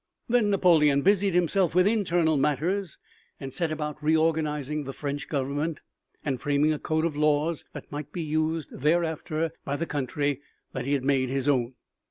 Then Napoleon busied himself with internal matters and set about reorganizing the French Government and framing a code of laws that might be used thereafter by the country that he had made his own.